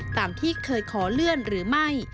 ตามที่เคยขอเลื่อนหรือไม่